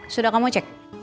sudah kamu cek